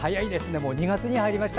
もう２月に入りました。